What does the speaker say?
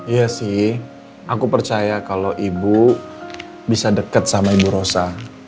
iya sih aku percaya kalau ibu bisa dekat sama ibu rosa